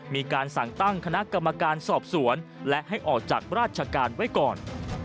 มีการสั่งตั้งคณะกรรมการสอบสวนและให้ออกจากราชการไว้ก่อน